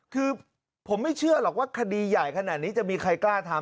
คือผมไม่เชื่อหรอกว่าคดีใหญ่ขนาดนี้จะมีใครกล้าทำ